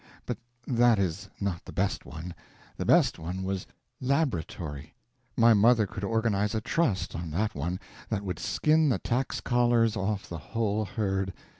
But that is not the best one; the best one was Laboratory. My mother could organize a Trust on that one that would skin the tax collars off the whole herd.